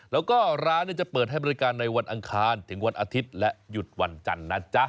แล้วก็ร้านจะเปิดให้บริการในวันอังคารถึงวันอาทิตย์และหยุดวันจันทร์นะจ๊ะ